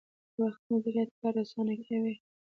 د وخت مدیریت کار اسانه کوي